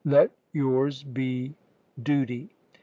Let yours be Duty.